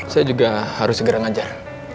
saya juga harus segera ngajar